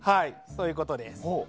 そういうことです。